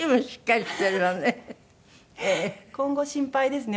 今後心配ですね。